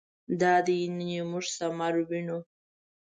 دادی نن یې موږ ثمر وینو.